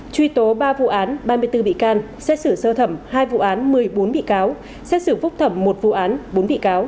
truy tố ba vụ án ba mươi bốn bị can xét xử sơ thẩm hai vụ án một mươi bốn bị cáo xét xử phúc thẩm một vụ án bốn bị cáo